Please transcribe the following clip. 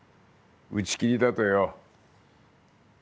打ち切りだとよ。